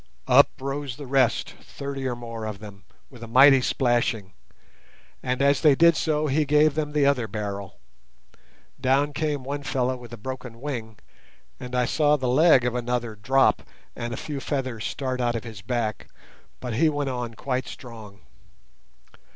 Up rose the rest, thirty or more of them, with a mighty splashing; and, as they did so, he gave them the other barrel. Down came one fellow with a broken wing, and I saw the leg of another drop and a few feathers start out of his back; but he went on quite strong.